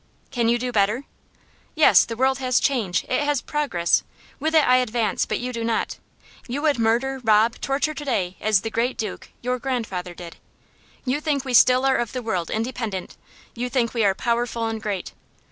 "Can you do better?" "Yes; the world has change. It has progress. With it I advance, but you do not. You would murder, rob, torture to day as the great Duke, your grandfather, did. You think we still are of the world independent. You think we are powerful and great.